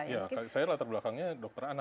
ya saya latar belakangnya dokter ana